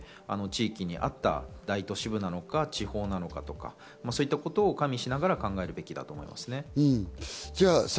地域に合った大都市部なのか、地方なのかとか、そういったことを加味しながら考えるべきだと思います。